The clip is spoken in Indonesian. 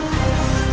aku akan menangkapmu